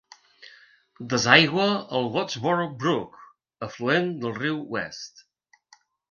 Desaigua al Wardsboro Brook, afluent del riu West.